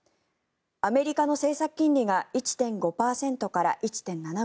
アメリカの政策金利が１．５％から１．７５％